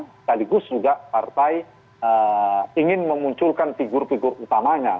sekaligus juga partai ingin memunculkan figur figur utamanya